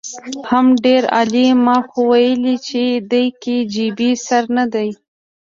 حم ډېر عالي ما خو ويلې چې د کي جي بي سره ندی.